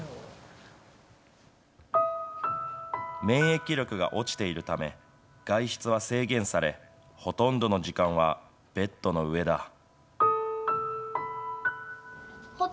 免疫力が落ちているため、外出は制限され、ほとんどの時間はベッドの上だ。